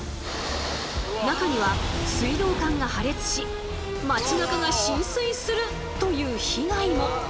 中には水道管が破裂し町なかが浸水するという被害も。